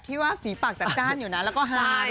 ที่ว่าสีปากจักรจ้านอยู่นั้นแล้วก็ฮาดด้วย